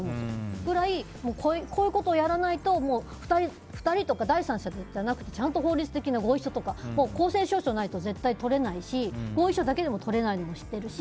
それくらいこういうことをやらないと２人とか第三者じゃなくてちゃんと法律的な合意書とか公正証書がないと絶対にとれないし合意書だけでもとれないのも知っているし。